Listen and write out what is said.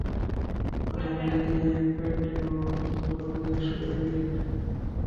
কথা অনুযায়ী তিনি কয়েকটি নম্বরে বিকাশ করে দুই লাখ টাকা দেন।